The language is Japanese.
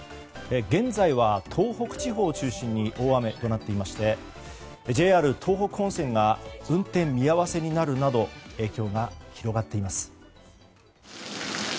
現在は東北地方中心に大雨となっていましてＪＲ東北本線が運転見合わせになるなど影響が広がっています。